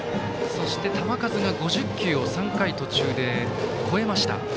そして球数が５０球を３回途中で過ぎました。